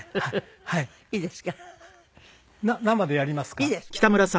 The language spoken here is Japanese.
いいです。